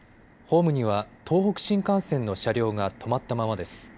ホームには東北新幹線の車両が止まったままです。